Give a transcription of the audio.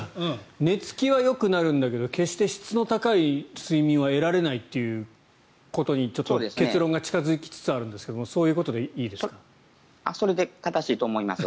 寝付きはよくなるんだけど決して質のいい睡眠は得られないということに結論が近付きつつあるんですがそれで正しいと思います。